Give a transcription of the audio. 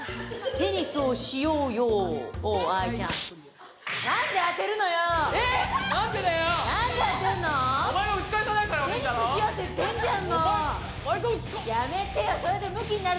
テニスしようって言ってるじゃん。